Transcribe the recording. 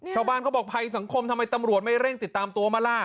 เขาบอกภัยสังคมทำไมตำรวจไม่เร่งติดตามตัวมาล่ะ